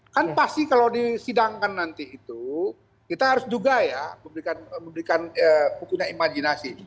kan pasti kalau disidangkan nanti itu kita harus juga ya memberikan hukumnya imajinasi